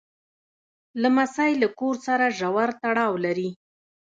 لمسی له کور سره ژور تړاو لري.